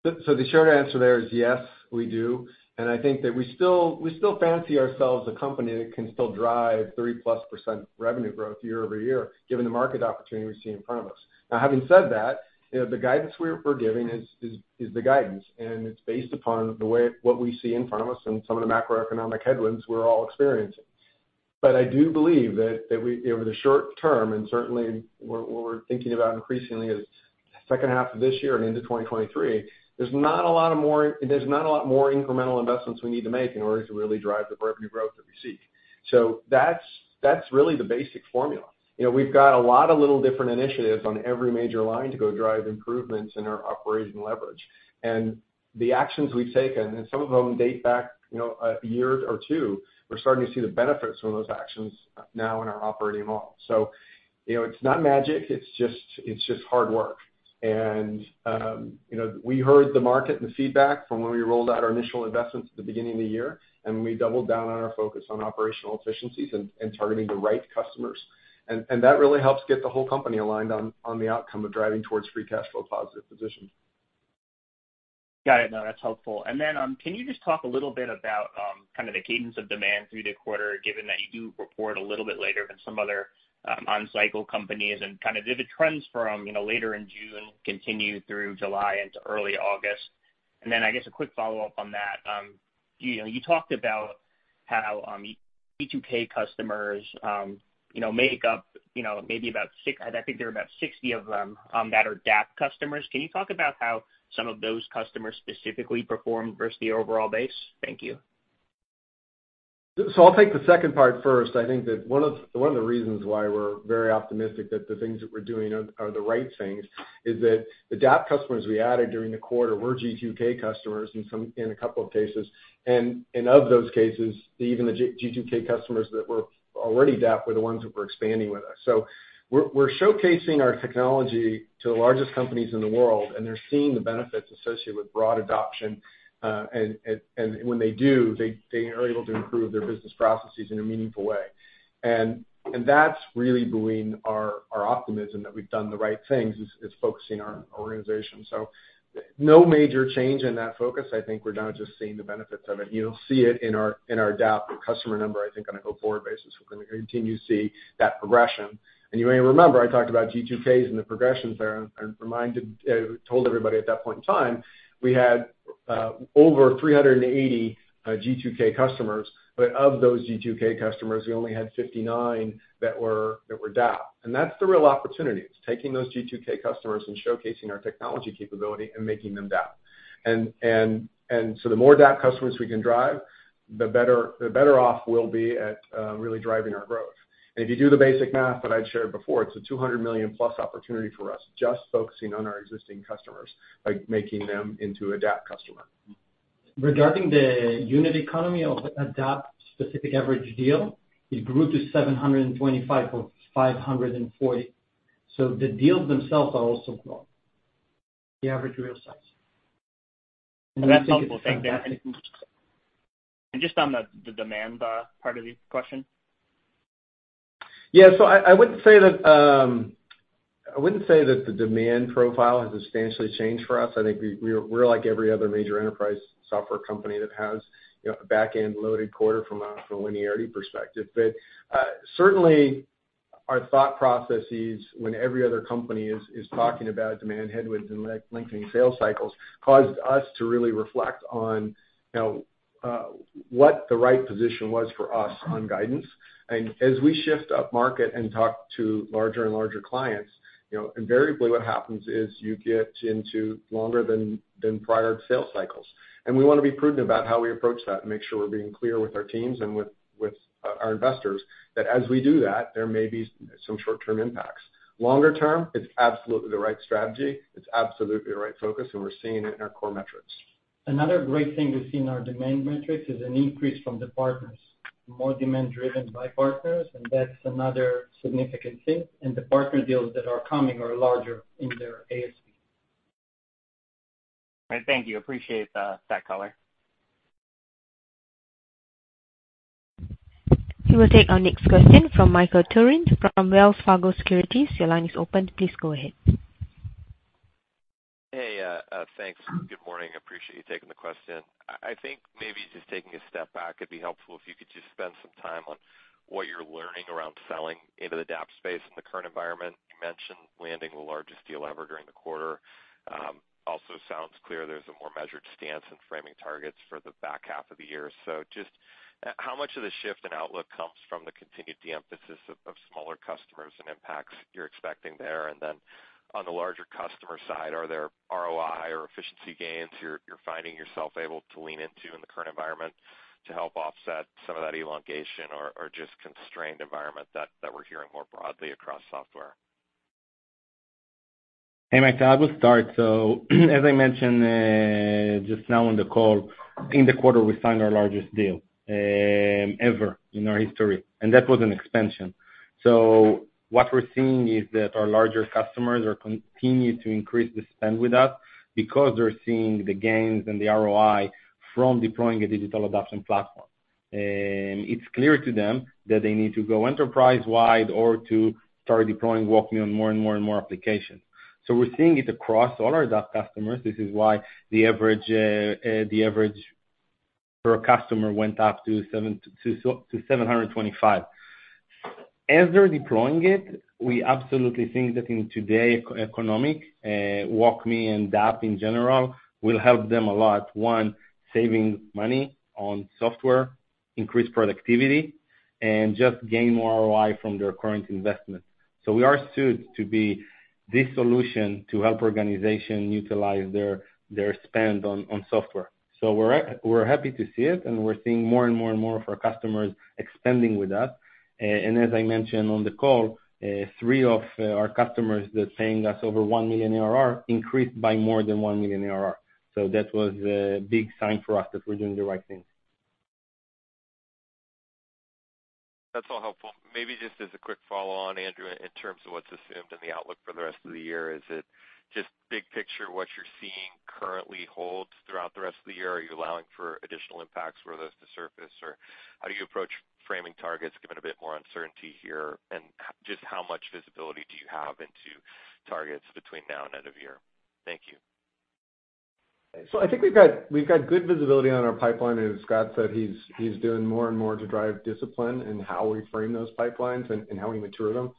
The short answer there is yes, we do. I think that we still fancy ourselves a company that can still drive 30%+ revenue growth year-over-year, given the market opportunity we see in front of us. Now having said that, you know, the guidance we're giving is the guidance, and it's based upon what we see in front of us and some of the macroeconomic headwinds we're all experiencing. I do believe that we, over the short term, and certainly what we're thinking about increasingly is the second half of this year and into 2023, there's not a lot more incremental investments we need to make in order to really drive the revenue growth that we seek. That's really the basic formula. You know, we've got a lot of little different initiatives on every major line to go drive improvements in our operating leverage. The actions we've taken, and some of them date back, you know, a year or two, we're starting to see the benefits from those actions now in our operating model. You know, it's not magic, it's just hard work. You know, we heard the market and the feedback from when we rolled out our initial investments at the beginning of the year, and we doubled down on our focus on operational efficiencies and targeting the right customers. That really helps get the whole company aligned on the outcome of driving towards free cash flow positive position. Got it. No, that's helpful. Can you just talk a little bit about kind of the cadence of demand through the quarter, given that you do report a little bit later than some other on-cycle companies and kind of if the trends from you know later in June continue through July into early August? I guess a quick follow-up on that. You know, you talked about how G2K customers you know make up you know, I think there are about 60 of them that are DAP customers. Can you talk about how some of those customers specifically perform versus the overall base? Thank you. I'll take the second part first. I think that one of the reasons why we're very optimistic that the things that we're doing are the right things is that the DAP customers we added during the quarter were G2K customers in some, in a couple of cases. In all of those cases, even the G2K customers that were already DAP were the ones who were expanding with us. We're showcasing our technology to the largest companies in the world, and they're seeing the benefits associated with broad adoption. When they do, they are able to improve their business processes in a meaningful way. That's really been our optimism that we've done the right things is focusing our organization. No major change in that focus. I think we're now just seeing the benefits of it. You'll see it in our DAP customer number, I think on a go-forward basis. We're gonna continue to see that progression. You may remember, I talked about G2Ks and the progressions there, and reminded, told everybody at that point in time, we had over 380 G2K customers. Of those G2K customers, we only had 59 that were DAP. That's the real opportunity. It's taking those G2K customers and showcasing our technology capability and making them DAP. The more DAP customers we can drive, the better off we'll be at really driving our growth. If you do the basic math that I'd shared before, it's a $200+ million opportunity for us just focusing on our existing customers by making them into a DAP customer. Regarding the unit economy of a DAP specific average deal, it grew to $725 from $540. The deals themselves are also growing, the average deal size. That's helpful. Thank you. Just on the demand part of the question. Yeah. I wouldn't say that the demand profile has substantially changed for us. I think we're like every other major enterprise software company that has, you know, a back-end loaded quarter from a linearity perspective. Certainly our thought processes when every other company is talking about demand headwinds and lengthening sales cycles caused us to really reflect on, you know, what the right position was for us on guidance. As we shift up market and talk to larger and larger clients, you know, invariably what happens is you get into longer than prior sales cycles. We wanna be prudent about how we approach that and make sure we're being clear with our teams and with our investors that as we do that, there may be some short-term impacts. Longer term, it's absolutely the right strategy, it's absolutely the right focus, and we're seeing it in our core metrics. Another great thing we've seen in our demand metrics is an increase from the partners, more demand driven by partners, and that's another significant thing. The partner deals that are coming are larger in their ASP. All right, thank you. Appreciate, that color. We will take our next question from Michael Turrin from Wells Fargo Securities. Your line is open. Please go ahead. Hey, thanks. Good morning. Appreciate you taking the question. I think maybe just taking a step back, it'd be helpful if you could just spend some time on what you're learning around selling into the DAP space in the current environment. You mentioned landing the largest deal ever during the quarter. Also sounds clear there's a more measured stance in framing targets for the back half of the year. So just, how much of the shift in outlook comes from the continued de-emphasis of smaller customers and impacts you're expecting there? And then on the larger customer side, are there ROI or efficiency gains you're finding yourself able to lean into in the current environment to help offset some of that elongation or just constrained environment that we're hearing more broadly across software? Hey, Mike, I will start. As I mentioned just now on the call, in the quarter we signed our largest deal ever in our history, and that was an expansion. What we're seeing is that our larger customers are continued to increase the spend with us because they're seeing the gains and the ROI from deploying a digital adoption platform. It's clear to them that they need to go enterprise-wide or to start deploying WalkMe on more and more and more applications. We're seeing it across all our DAP customers. This is why the average per customer went up to $725,000. As they're deploying it, we absolutely think that in today's economic, WalkMe and DAP in general will help them a lot, one, saving money on software, increase productivity, and just gain more ROI from their current investment. We are suited to be the solution to help organization utilize their spend on software. We're happy to see it, and we're seeing more and more of our customers expanding with us. As I mentioned on the call, three of our customers that are paying us over $1 million ARR increased by more than $1 million ARR. That was a big sign for us that we're doing the right thing. That's all helpful. Maybe just as a quick follow-on, Andrew, in terms of what's assumed in the outlook for the rest of the year, is it just big picture what you're seeing currently holds throughout the rest of the year? Are you allowing for additional impacts for those to surface? Or how do you approach framing targets given a bit more uncertainty here? Just how much visibility do you have into targets between now and end of year? Thank you. I think we've got good visibility on our pipeline. As Scott said, he's doing more and more to drive discipline in how we frame those pipelines and how we mature them.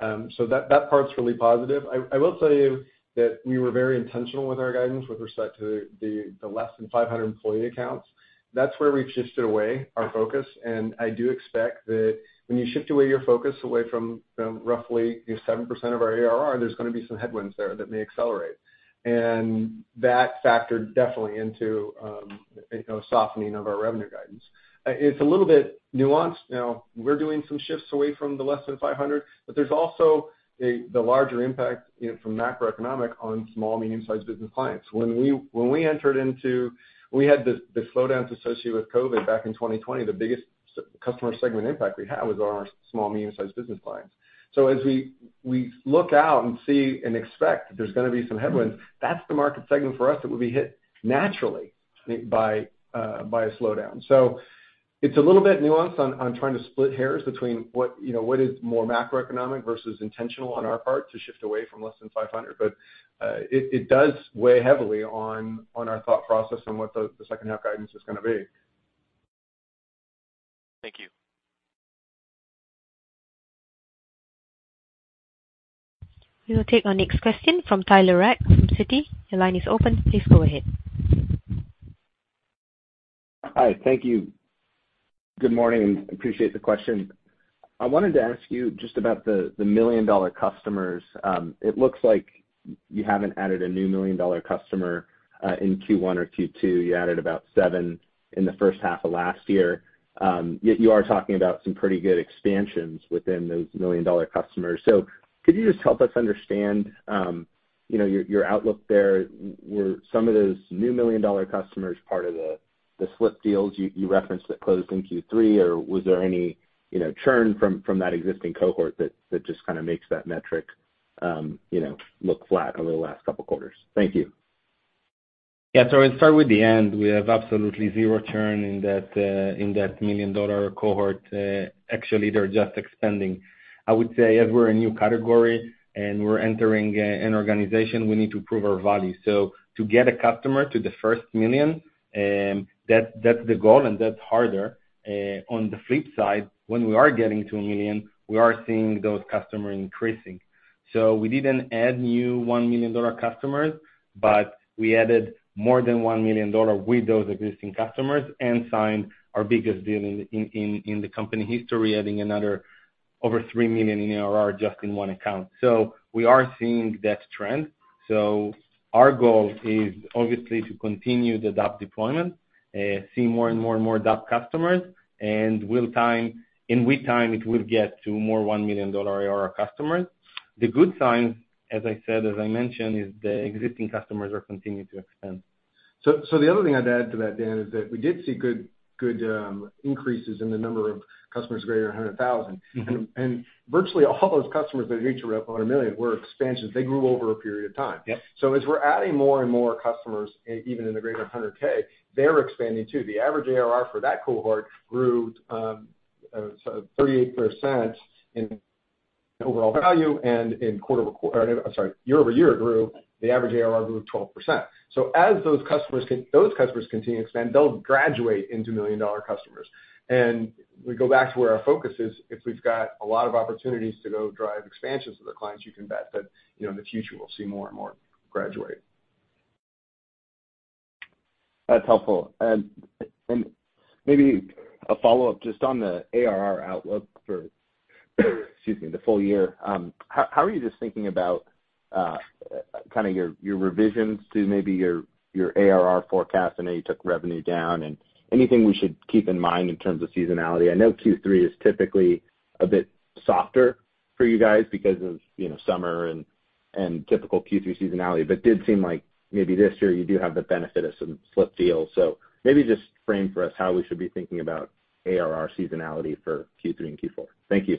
That part's really positive. I will tell you that we were very intentional with our guidance with respect to the less than 500 employee accounts. That's where we've shifted away our focus, and I do expect that when you shift away your focus away from roughly your 7% of our ARR, there's gonna be some headwinds there that may accelerate. That factored definitely into you know, softening of our revenue guidance. It's a little bit nuanced. You know, we're doing some shifts away from the less than 500, but there's also the larger impact, you know, from macroeconomic on small, medium-sized business clients. When we had the slowdowns associated with COVID back in 2020, the biggest customer segment impact we had was on our small, medium-sized business clients. As we look out and see and expect that there's gonna be some headwinds, that's the market segment for us that will be hit naturally, I think, by a slowdown. It's a little bit nuanced on trying to split hairs between what, you know, what is more macroeconomic versus intentional on our part to shift away from less than 500. It does weigh heavily on our thought process on what the second half guidance is gonna be. Thank you. We will take our next question from Tyler Radke from Citi. Your line is open. Please go ahead. Hi. Thank you. Good morning. Appreciate the question. I wanted to ask you just about the million-dollar customers. It looks like you haven't added a new million-dollar customer in Q1 or Q2. You added about seven in the first half of last year. Yet you are talking about some pretty good expansions within those million-dollar customers. Could you just help us understand, you know, your outlook there? Were some of those new million-dollar customers part of the slipped deals you referenced that closed in Q3? Was there any, you know, churn from that existing cohort that just kinda makes that metric, you know, look flat over the last couple quarters? Thank you. I'll start with the end. We have absolutely zero churn in that in that million-dollar cohort. Actually they're just expanding. I would say as we're a new category and we're entering an organization, we need to prove our value. To get a customer to the first million, that's the goal and that's harder. On the flip side, when we are getting to a million, we are seeing those customers increasing. We didn't add new million-dollar customers, but we added more than $1 million dollar with those existing customers and signed our biggest deal in the company history, adding another over $3 million in ARR just in one account. We are seeing that trend. Our goal is obviously to continue the DAP deployment, see more and more and more DAP customers, and over time, in time, it will get to more $1 million ARR customers. The good sign, as I said, as I mentioned, is the existing customers are continuing to expand. The other thing I'd add to that, Dan, is that we did see good increases in the number of customers greater than 100,000. Mm-hmm. Virtually all those customers that reach $1 million were expansions. They grew over a period of time. Yep. As we're adding more and more customers, even in the greater than 100K, they're expanding too. The average ARR for that cohort grew 38% in overall value and year-over-year, the average ARR grew 12%. As those customers continue to expand, they'll graduate into million-dollar customers. We go back to where our focus is, if we've got a lot of opportunities to go drive expansions with our clients, you can bet that, you know, in the future we'll see more and more graduate. That's helpful. Maybe a follow-up just on the ARR outlook for, excuse me, the full year. How are you just thinking about kind of your revisions to maybe your ARR forecast? I know you took revenue down. Anything we should keep in mind in terms of seasonality? I know Q3 is typically a bit softer for you guys because of, you know, summer and typical Q3 seasonality, but it did seem like maybe this year you do have the benefit of some slip deals. Maybe just frame for us how we should be thinking about ARR seasonality for Q3 and Q4. Thank you.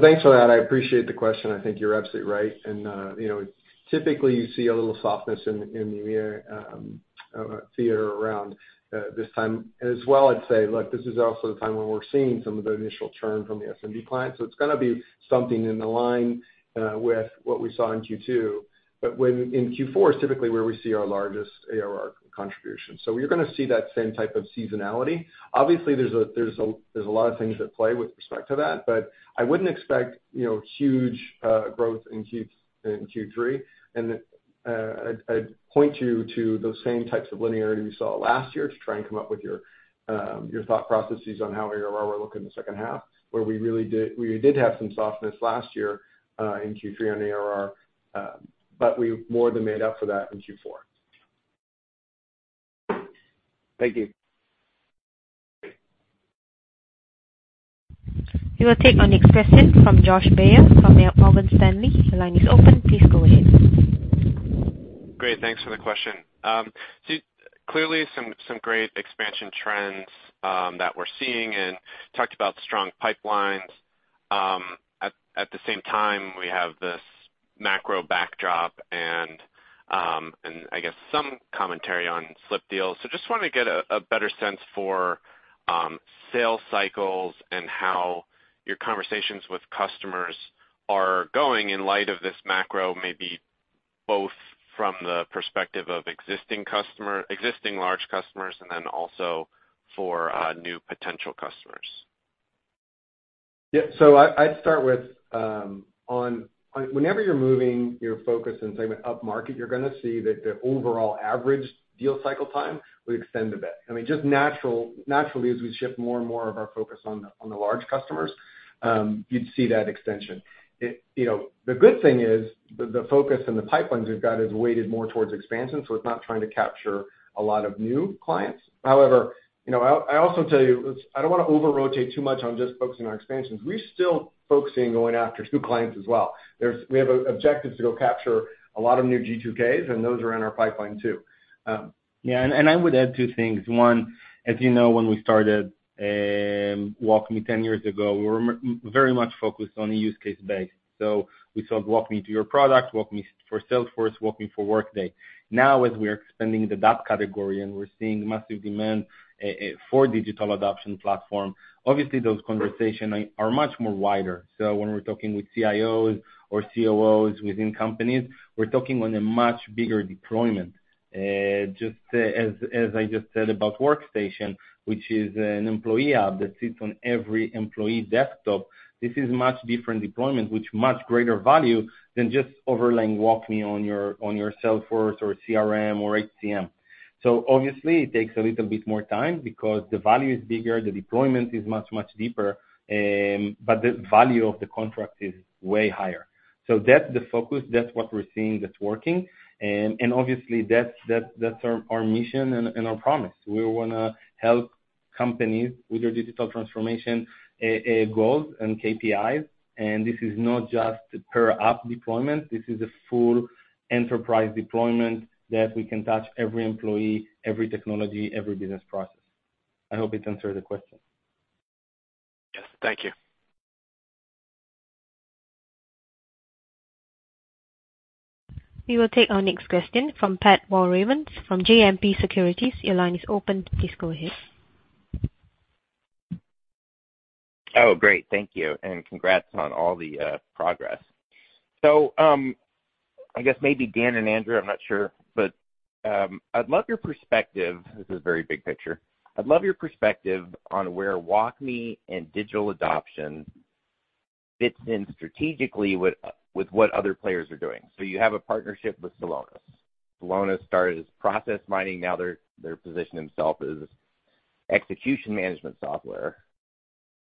Thanks for that. I appreciate the question. I think you're absolutely right. You know, typically you see a little softness in the quarter around this time. As well, I'd say, look, this is also the time when we're seeing some of the initial churn from the SMB clients, so it's gonna be something in line with what we saw in Q2. In Q4 is typically where we see our largest ARR contribution. You're gonna see that same type of seasonality. Obviously, there's a lot of things at play with respect to that, but I wouldn't expect you know, huge growth in Q3. I'd point you to those same types of linearity we saw last year to try and come up with your thought processes on how ARR will look in the second half, where we did have some softness last year in Q3 on ARR, but we more than made up for that in Q4. Thank you. We will take our next question from Josh Baer from Morgan Stanley. Your line is open. Please go ahead. Great. Thanks for the question. Clearly some great expansion trends that we're seeing and talked about strong pipelines. At the same time, we have this macro backdrop and I guess some commentary on slip deals. Just wanna get a better sense for sales cycles and how your conversations with customers are going in light of this macro, maybe both from the perspective of existing large customers and then also for new potential customers. Yeah. I'd start with on whenever you're moving your focus and segment upmarket, you're gonna see that the overall average deal cycle time will extend a bit. I mean, just naturally, as we shift more and more of our focus on the large customers, you'd see that extension. You know, the good thing is the focus and the pipelines we've got is weighted more towards expansion, so it's not trying to capture a lot of new clients. However, you know, I'll also tell you I don't wanna over-rotate too much on just focusing on expansions. We're still focusing on going after new clients as well. We have an objective to go capture a lot of new G2Ks, and those are in our pipeline too. Yeah. I would add two things. One, as you know, when we started WalkMe ten years ago, we were very much focused on a use case basis. We sold WalkMe for your product, WalkMe for Salesforce, WalkMe for Workday. Now, as we are expanding the DAP category and we're seeing massive demand for digital adoption platform, obviously those conversations are much wider. When we're talking with CIOs or COOs within companies, we're talking on a much bigger deployment. Just as I just said about Workstation, which is an employee app that sits on every employee desktop, this is much different deployment, with much greater value than just overlaying WalkMe on your Salesforce or CRM or HCM. Obviously it takes a little bit more time because the value is bigger, the deployment is much, much deeper, but the value of the contract is way higher. That's the focus. That's what we're seeing that's working. Obviously that's our mission and our promise. We wanna help companies with their digital transformation goals and KPIs, and this is not just a per app deployment, this is a full enterprise deployment that we can touch every employee, every technology, every business process. I hope it answered the question. Yes. Thank you. We will take our next question from Pat Walravens from JMP Securities. Your line is open. Please go ahead. Oh, great. Thank you. Congrats on all the progress. I guess maybe Dan and Andrew, I'm not sure, but I'd love your perspective. This is very big picture. I'd love your perspective on where WalkMe and digital adoption fits in strategically with what other players are doing. You have a partnership with Celonis. Celonis started as process mining. Now they're positioning themselves as execution management software.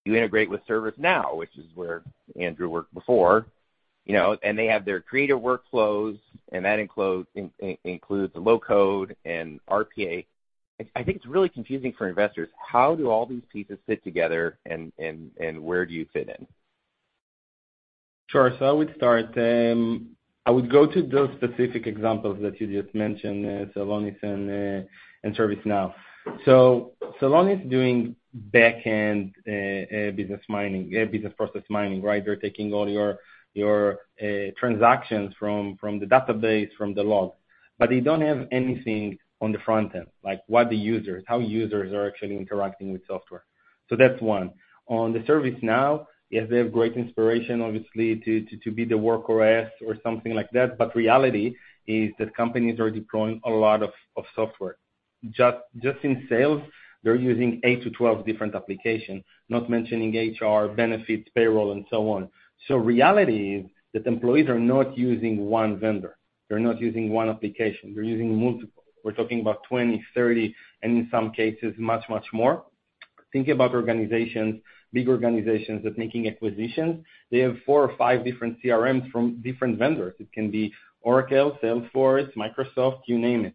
You integrate with ServiceNow, which is where Andrew worked before, you know, and they have their creative workflows, and that includes low code and RPA. I think it's really confusing for investors. How do all these pieces fit together and where do you fit in? Sure. I would start, I would go to those specific examples that you just mentioned, Celonis and ServiceNow. Celonis is doing back-end, business process mining, right? They're taking all your transactions from the database, from the logs. They don't have anything on the front end, like what the users, how users are actually interacting with software. That's one. On the ServiceNow, yes, they have great inspiration, obviously to be the Work OS or something like that. Reality is that companies are deploying a lot of software. Just in sales they're using eight to 12 different applications, not mentioning HR, benefits, payroll and so on. Reality is that employees are not using one vendor. They're not using one application. They're using multiple. We're talking about 20, 30, and in some cases much, much more. Think about organizations, big organizations that making acquisitions. They have four or five different CRMs from different vendors. It can be Oracle, Salesforce, Microsoft, you name it.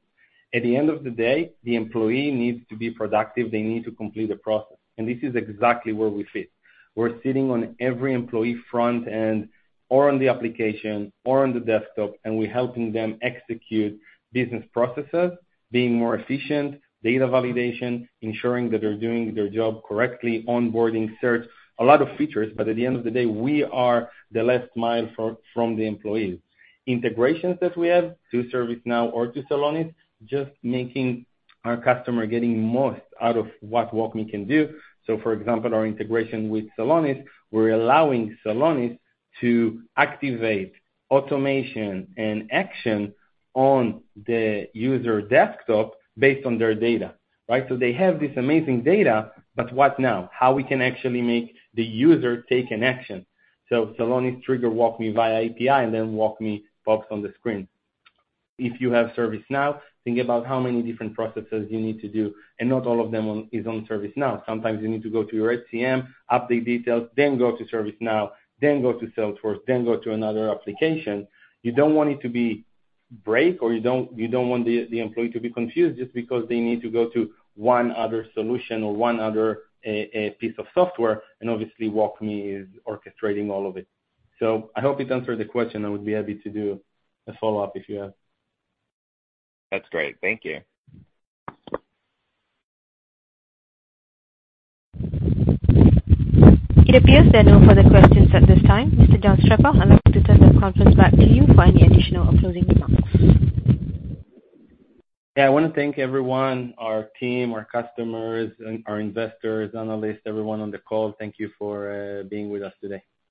At the end of the day, the employee needs to be productive. They need to complete a process. This is exactly where we fit. We're sitting on every employee front end or on the application or on the desktop, and we're helping them execute business processes, being more efficient, data validation, ensuring that they're doing their job correctly, onboarding search, a lot of features, but at the end of the day, we are the last mile from the employees. Integrations that we have to ServiceNow or to Celonis, just making our customer getting most out of what WalkMe can do. For example, our integration with Celonis, we're allowing Celonis to activate automation and action on the user desktop based on their data, right? They have this amazing data, but what now? How we can actually make the user take an action? Celonis trigger WalkMe via API and then WalkMe pops on the screen. If you have ServiceNow, think about how many different processes you need to do, and not all of them is on ServiceNow. Sometimes you need to go to your HCM, update details, then go to ServiceNow, then go to Salesforce, then go to another application. You don't want it to be break or you don't want the employee to be confused just because they need to go to one other solution or one other piece of software. Obviously, WalkMe is orchestrating all of it. I hope it answered the question. I would be happy to do a follow-up if you have. That's great. Thank you. It appears there are no further questions at this time. Mr. John Streppa, I'd like to turn the conference back to you for any additional or closing remarks. Yeah. I wanna thank everyone, our team, our customers and our investors, analysts, everyone on the call. Thank you for being with us today.